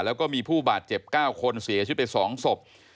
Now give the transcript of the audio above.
แล้วก็มีผู้บาดเจ็บ๙คนเสียชีวิตไป๒ศพ